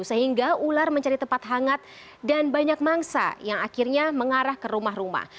sehingga ular mencari tempat hangat dan banyak mangsa yang akhirnya mengarah ke rumah rumah